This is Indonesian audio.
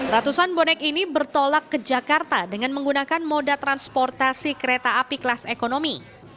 ratusan bonek ini bertolak ke jakarta dengan menggunakan moda transportasi kereta api kelas ekonomi